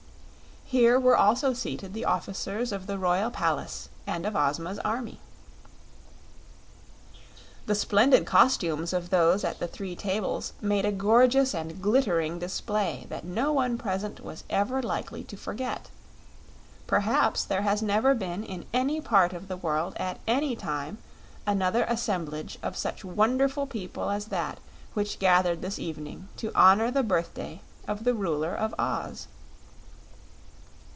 Here were also seated the officers of the royal palace and of Ozma's army. The splendid costumes of those at the three tables made a gorgeous and glittering display that no one present was ever likely to forget; perhaps there has never been in any part of the world at any time another assemblage of such wonderful people as that which gathered this evening to honor the birthday of the Ruler of Oz.